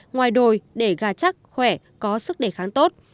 ngoài đồi để gà chắc khỏe có sức đề kháng tốt